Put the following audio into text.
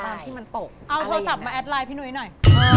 ตอนที่มันตกเอาโทรศัพท์มาแอดไลน์พี่นุ้ยหน่อย